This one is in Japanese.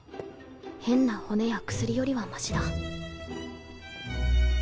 変な骨や薬よりはマシだ